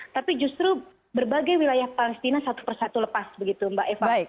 tapi justru berbagai wilayah palestina satu persatu lepas begitu mbak eva